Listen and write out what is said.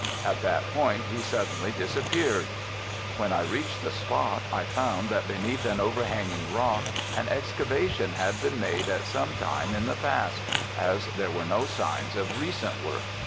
At that point he suddenly disappeared. When I reached the spot I found that beneath an overhanging rock an excavation had been made at some time in the past, as there were no signs of recent work.